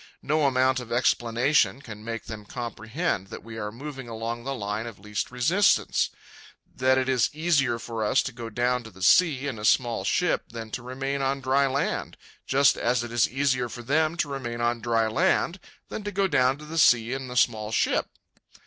No amount of explanation can make them comprehend that we are moving along the line of least resistance; that it is easier for us to go down to the sea in a small ship than to remain on dry land, just as it is easier for them to remain on dry land than to go down to the sea in the small ship.